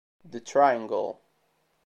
The Triangle